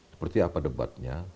seperti apa debatnya